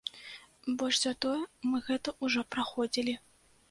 Больш за тое, мы гэта ўжо праходзілі.